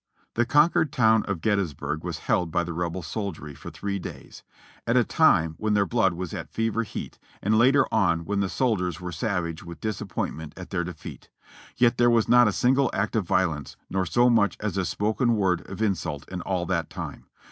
The conquered town of Gettysburg was held by the Rebel sol diery for three days, at a time when their blood was at fever heat, and later on when the soldiers were savage with disappoint ment at their defeat; yet there was not a single act of violence nor so much as a spoken word of insult in all that time.